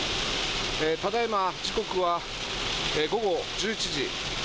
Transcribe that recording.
ただ今、時刻は午後１１時。